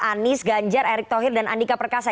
anies ganjar erick thohir dan andika perkasa